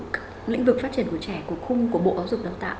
các lĩnh vực phát triển của trẻ của khung của bộ giáo dục đào tạo